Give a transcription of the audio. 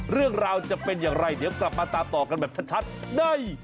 เรื่องราวจะเป็นอย่างไรเดี๋ยวกลับมาตามต่อกันแบบชัดใน